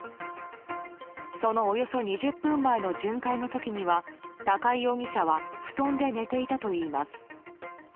そのおよそ２０分前の巡回の時には高井容疑者は布団で寝ていたといいます。